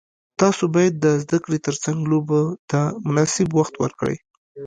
تاسو باید د زده کړې ترڅنګ لوبو ته مناسب وخت ورکړئ.